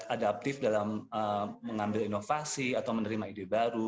adaptif dalam mengambil inovasi atau menerima ide baru